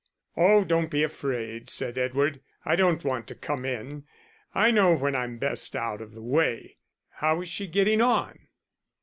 "Oh, don't be afraid," said Edward, "I don't want to come in. I know when I'm best out of the way.... How is she getting on?"